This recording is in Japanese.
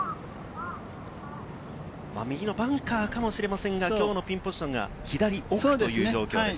右のバンカーかもしれませんが、きょうのピンポジションが左奥という状況です。